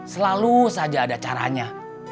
selalu saja ada caranya